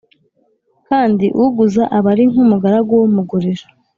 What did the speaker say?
kandi uguza aba ari nk’umugaragu w’umugurije